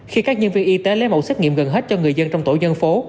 khi các nhân viên y tế lấy mẫu xét nghiệm gần hết cho người dân trong tổ dân phố